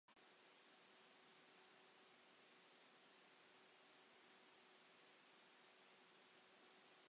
Rhan o gyfres o lyfrau stori antur i blant gyda darluniau lliw.